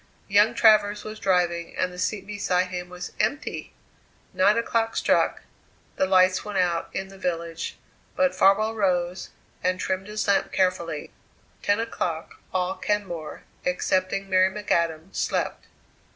Young Travers was driving and the seat beside him was empty! Nine o'clock struck; the lights went out in the village, but Farwell rose and trimmed his lamp carefully. Ten o'clock all Kenmore, excepting Mary McAdam, slept.